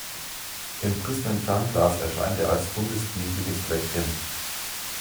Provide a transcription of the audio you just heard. Im Prismenfernglas erscheint er als rundes nebliges Fleckchen.